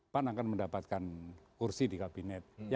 pan akan mendapatkan kursi di kabinet